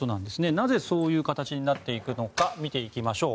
なぜそういう形になっていくのか見ていきましょう。